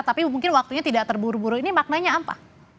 tapi mungkin waktunya tidak terburu buru ini maknanya apa